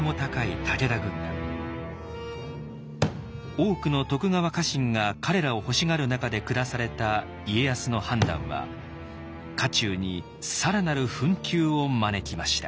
多くの徳川家臣が彼らを欲しがる中で下された家康の判断は家中に更なる紛糾を招きました。